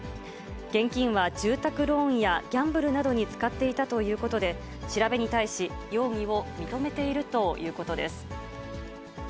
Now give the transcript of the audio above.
現金は住宅ローンやギャンブルなどに使っていたということで、調べに対し、容疑を認めているということです。